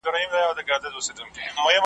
مځکه ډکه له رمو سوه د پسونو .